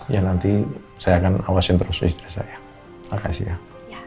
ya nanti saya akan awasin terus istirahat saya makasih ya